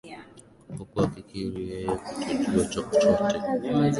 huku akikiri yeye kutojua chochote